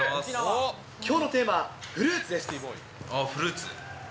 きょうのテーマはフルーツでフルーツ？